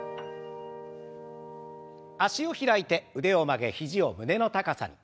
脚を開いて腕を曲げ肘を胸の高さに。